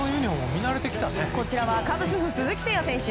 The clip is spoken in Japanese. こちらはカブスの鈴木誠也選手。